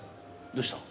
どうした？